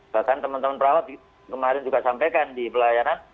bahkan teman teman perawat kemarin juga sampaikan di pelayanan